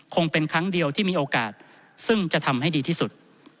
คงเป็นครั้งเดียวที่มีโอกาสซึ่งจะทำให้ดีที่สุด